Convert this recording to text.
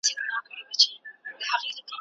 هغه په ډېرې خوښۍ سره غږ وکړ.